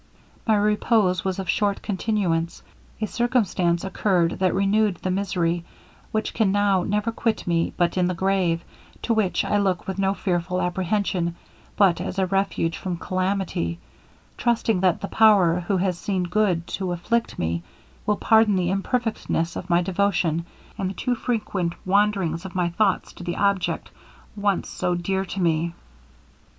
My repose was of short continuance. A circumstance occurred that renewed the misery, which, can now never quit me but in the grave, to which I look with no fearful apprehension, but as a refuge from calamity, trusting that the power who has seen good to afflict me, will pardon the imperfectness of my devotion, and the too frequent wandering of my thoughts to the object once so dear to me.'